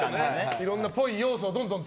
いろんなっぽい要素をどんどん。